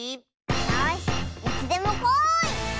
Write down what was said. よしいつでもこい！